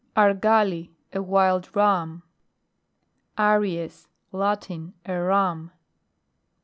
ARGALI. A Wild Ram. ARIES. Latin. A Ram.